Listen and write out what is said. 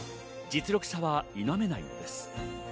実力者はいないのです。